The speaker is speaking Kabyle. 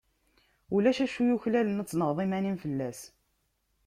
Ulac acu yuklalen ad tenɣeḍ iman-im fell-as.